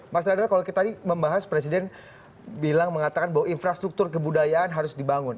mas radar kalau kita tadi membahas presiden bilang mengatakan bahwa infrastruktur kebudayaan harus dibangun